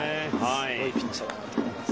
すごいピッチャーだなと思っています。